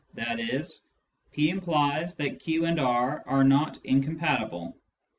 " p implies that q and r are not incom patible," i.